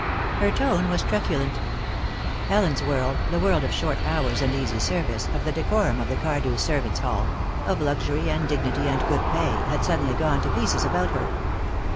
Her tone was truculent. Ellen's world, the world of short hours and easy service, of the decorum of the Cardew servants' hall, of luxury and dignity and good pay, had suddenly gone to pieces about her.